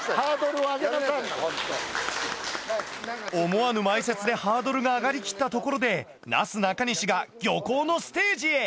思わぬ前説でハードルが上がり切ったところでなすなかにしが漁港のステージへ！